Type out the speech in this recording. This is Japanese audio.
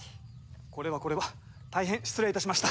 これはこれは大変失礼いたしました。